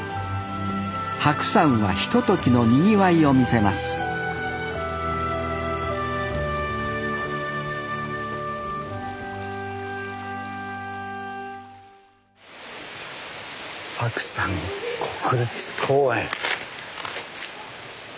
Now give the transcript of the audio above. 白山はひとときのにぎわいを見せます白山国立公園。